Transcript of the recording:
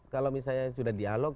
kalau sudah dialog